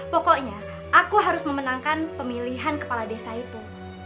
pokoknya aku harus memenangkan pemilihan kepala desa itu